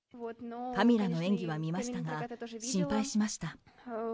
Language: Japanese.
カミラの演技は見ましたが、心配しました。